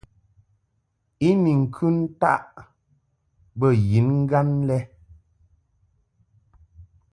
I ni ŋkɨ ntaʼ bə yiŋgan lɛ.